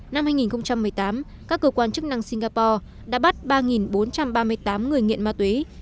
năm hai nghìn một mươi tám các cơ quan chức năng singapore đã bắt ba bốn trăm ba mươi tám người nghiện ma túy